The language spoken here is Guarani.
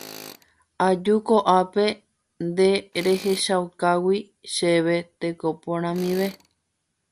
Aju ko'ápe nde rehechaukágui chéve teko porãmive.